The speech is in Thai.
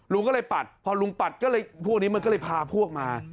ลุงก็เลยปัดพอลุงปัดก็เลยพวกนี้มันก็เลยพาพวกมา